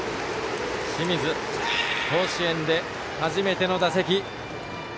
清水、甲子園で初めての打席。